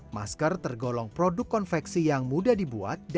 masker tergolong produk konveksi yang mudah dibuat